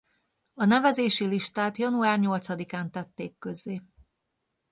A nevezési listát január nyolcadikán tették közzé.